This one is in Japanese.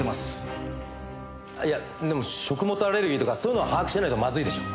あっいやでも食物アレルギーとかそういうのは把握してないとまずいでしょ。